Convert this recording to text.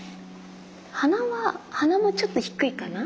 鼻は鼻もちょっと低いかな？